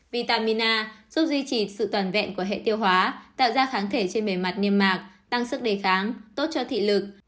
vitamin a giúp duy trì sự toàn vẹn của hệ tiêu hóa tạo ra kháng thể trên bề mặt niêm mạc tăng sức đề kháng tốt cho thị lực